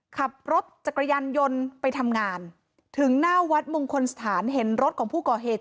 ขับรถจักรยานยนต์ไปทำงานถึงหน้าวัดมงคลสถานเห็นรถของผู้ก่อเหตุ